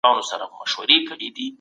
په کندهار کي د صنعت د ودې خنډونه څه دي؟